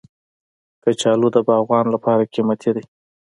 کچالو د باغوان لپاره قیمتي دی